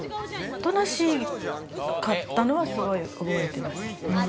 おとなしかったのはすごい覚えてます。